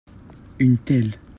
Une telle.